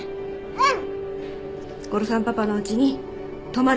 うん！